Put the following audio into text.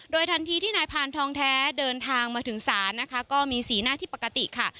ทันทีที่นายพานทองแท้เดินทางมาถึงศาลนะคะก็มีสีหน้าที่ปกติค่ะ